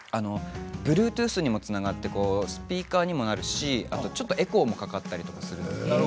Ｂｌｕｅｔｏｏｔｈにもつながってスピーカーにもなるしちょっとエコーもかかったりするんです。